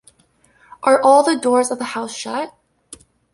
Are all the doors of the house shut?